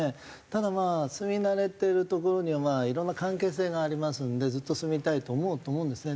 ただまあ住み慣れてる所にはいろんな関係性がありますのでずっと住みたいと思うと思うんですね。